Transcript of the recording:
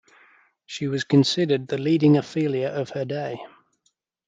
She was considered the leading Ophelia of her day.